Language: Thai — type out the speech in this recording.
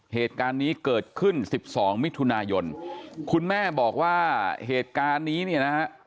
เหตุการณ์นี้เกิดขึ้น๑๒มิถุนายนคุณแม่บอกว่าเหตุการณ์นี้นะครับ